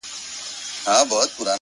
دى وايي دا ـ